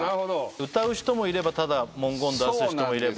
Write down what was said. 歌う人もいればただ文言出す人もいれば。